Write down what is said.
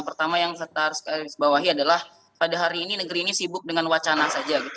pertama yang kita harus bawahi adalah pada hari ini negeri ini sibuk dengan wacana saja